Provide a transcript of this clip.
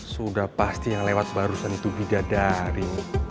sudah pasti yang lewat barusan itu bidadari